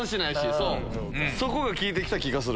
そこが効いて来た気がする。